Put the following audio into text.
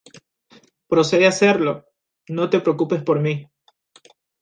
Procede a hacerlo, no te preocupes por mi".